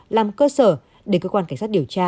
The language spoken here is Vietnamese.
làm cơ sở để cơ quan cảnh sát điều tra